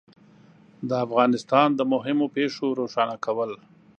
د افغانستان د مهمو پېښو روښانه کول